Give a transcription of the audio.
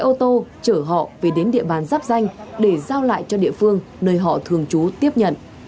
ô tô chở họ về đến địa bàn giáp danh để giao lại cho địa phương nơi họ thường trú tiếp nhận